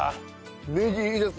ネギいいですね！